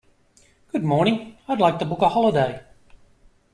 Good morning, I'd like to book a holiday.